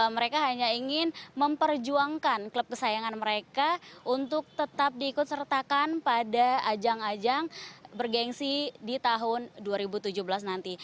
mereka hanya ingin memperjuangkan klub kesayangan mereka untuk tetap diikut sertakan pada ajang ajang bergensi di tahun dua ribu tujuh belas nanti